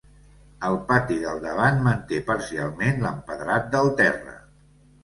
El pati del davant manté parcialment l'empedrat del terra.